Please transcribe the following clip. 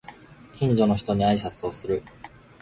近所の人に挨拶をする